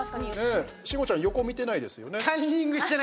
慎吾ちゃん横、見てないですよね？